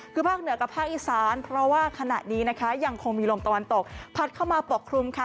คือภาคเหนือกับภาคอีสานเพราะว่าขณะนี้นะคะยังคงมีลมตะวันตกพัดเข้ามาปกครุมค่ะ